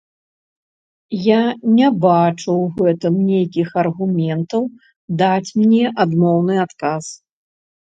Я не бачу ў гэтым нейкіх аргументаў даць мне адмоўны адказ.